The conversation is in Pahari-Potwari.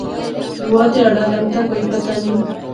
دوہا تہاڑا لنگتھا کوئی پتہ نیں